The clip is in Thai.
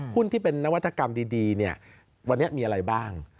หุ้นที่เป็นนวัตกรรมดีวันนี้มีอะไรบ้าง